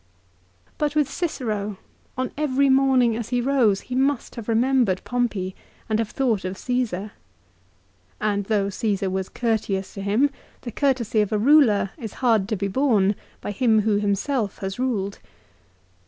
But with Cicero, on every morning as he rose, he must have remembered Pompey and have thought of Csesar. And though Caesar was courteous to him, the courtesy of a ruler is hard to be borne by him who himself has ruled.